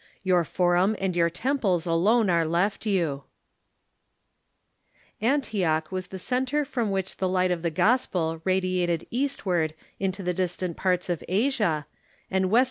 Your forum and your temples alone are left you !" Antioch was the centre from which the light of the gospel radiated eastward into the distant parts of Asia, and west